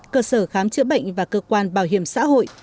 cơ sở khám chữa bệnh và cơ quan bảo hiểm xã hội